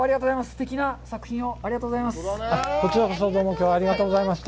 すてきな作品をありがとうございます。